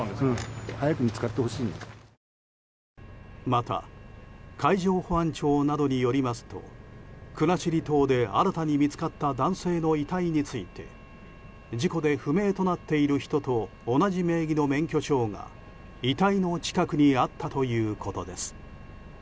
また海上保安庁などによりますと国後島で新たに見つかった男性の遺体について事故で不明となっている人と同じ名義の免許証が遺体の近くにあったということです。